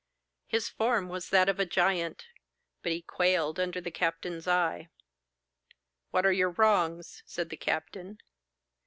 His form was that of a giant, but he quailed under the captain's eye. 'What are your wrongs?' said the captain.